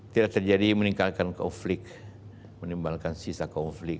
tidak terjadi meningkatkan konflik menimbangkan sisa konflik